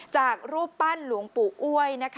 จากรูปปั้นหลวงปู่อ้วย